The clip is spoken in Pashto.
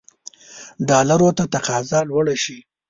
ډالرو ته تقاضا لوړه شي.